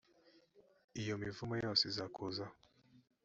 iyo mivumo yose izakuzaho,